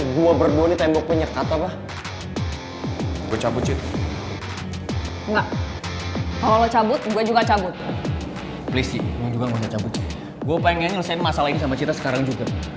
gue pengen nyelesain masalah ini sama cita sekarang juga